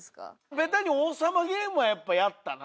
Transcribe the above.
ベタに王様ゲームはやっぱやったな。